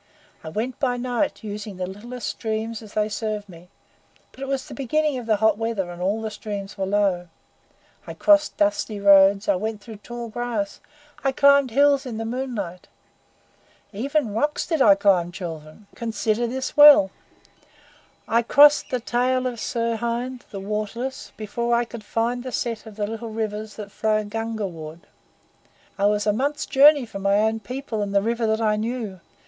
I went by night, using the littlest streams as they served me; but it was the beginning of the hot weather, and all streams were low. I crossed dusty roads; I went through tall grass; I climbed hills in the moonlight. Even rocks did I climb, children consider this well. I crossed the tail of Sirhind, the waterless, before I could find the set of the little rivers that flow Gungaward. I was a month's journey from my own people and the river that I knew.